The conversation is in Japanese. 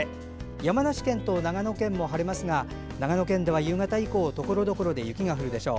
山梨県と長野県も晴れますが長野県では夕方以降ところどころで雪が降るでしょう。